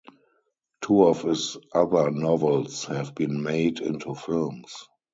Two of his other novels have been made into films.